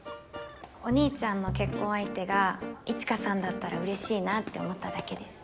お兄ちゃんの結婚相手が一華さんだったら嬉しいなって思っただけです。